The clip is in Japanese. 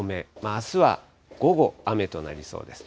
あすは午後、雨となりそうです。